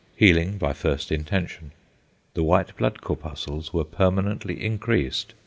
Healing by first intention. The white blood corpuscles were permanently increased.